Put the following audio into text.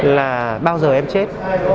là bao giờ em chết